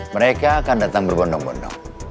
mereka akan datang berbondong bondong